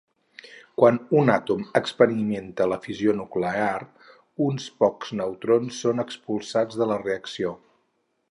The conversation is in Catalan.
Quan un àtom experimenta la fissió nuclear, uns pocs neutrons són expulsats de la reacció.